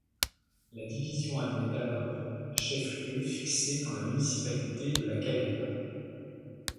La division admet alors un chef-lieu fixé dans la municipalité de La Caillère.